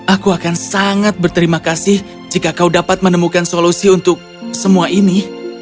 aku akan sangat berterima kasih jika kau dapat menemukan solusi untuk semua ini